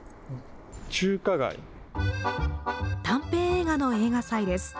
短編映画の映画祭です。